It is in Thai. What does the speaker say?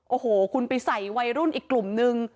โอ้โหคุณไปใส่วัยรุ่นอีกกลุ่มนึง